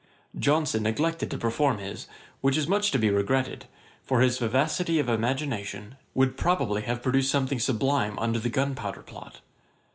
Johnson neglected to perform his, which is much to be regretted; for his vivacity of imagination, and force of language, would probably have produced something sublime upon the gunpowder plot.